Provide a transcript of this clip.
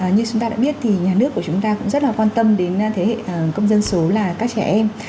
như chúng ta đã biết thì nhà nước của chúng ta cũng rất là quan tâm đến thế hệ công dân số là các trẻ em